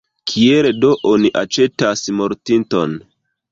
Kiel do oni aĉetas mortinton?